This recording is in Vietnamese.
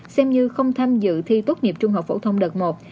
xem như không tham dự thi tốt nghiệp trung học phổ thông đợt một